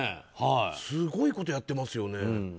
すごいことやってますよね。